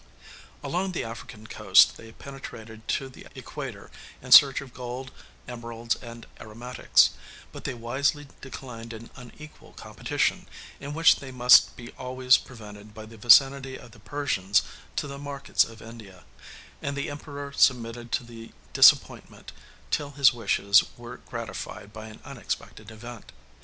Along the African coast they penetrated to the Equator in search of gold, emeralds, and aromatics; but they wisely declined an unequal competition, in which they must be always prevented by the vicinity of the Persians to the markets of India; and the Emperor submitted to the disappointment till his wishes were gratified by an unexpected event.